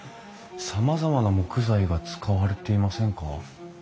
さまざまな木材が使われていませんか？